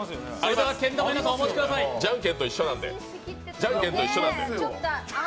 じゃんけんと一緒なんで。